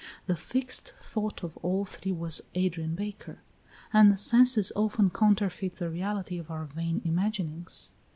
The fixed thought of all three was Adrian Baker and the senses often counterfeit the reality of our vain imaginings.